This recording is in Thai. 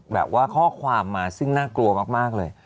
แบบว่าข้อความมาซึ่งน่ากลัวมากเลย